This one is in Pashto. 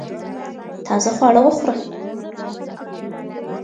تازه خواړه وخوره